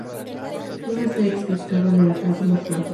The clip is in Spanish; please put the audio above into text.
Todo esto está explicado en el apartado "Morfología".